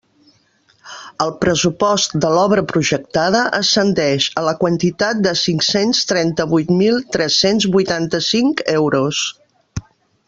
El pressupost de l'obra projectada ascendeix a la quantitat de cinc-cents trenta-vuit mil tres-cents vuitanta-cinc euros.